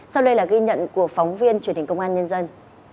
sau đây là ghi nhận của phóng viên truyền hình công an